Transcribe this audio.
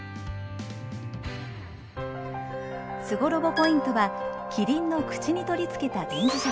ポイントはキリンの口に取り付けた電磁石。